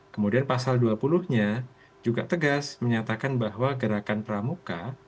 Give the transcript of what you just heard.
kemudian pasal dua puluh nya juga tegas menyatakan bahwa gerakan pramuka